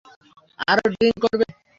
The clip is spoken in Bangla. আরো ড্রিঙ্ক করবে?